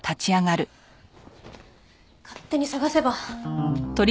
勝手に捜せば。